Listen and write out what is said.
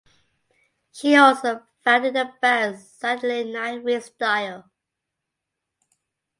She also founded the band Saturday Night Freestyle.